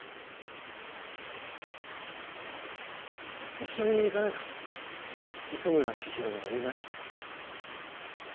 一緒に行かないか磯村千尋のお見舞い。